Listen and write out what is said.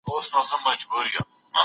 ستاسو رويه ستاسو شخصيت څرګندوي.